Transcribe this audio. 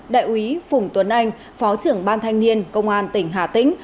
đại úy phùng tuấn anh phó trưởng ban thanh niên công an tỉnh hà tĩnh